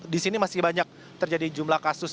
di sini masih banyak terjadi jumlah kasus